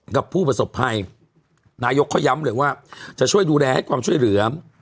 กับผู้ประสบภัยนายกเขาย้ำเลยว่าจะช่วยดูแลให้ความช่วยเหลือ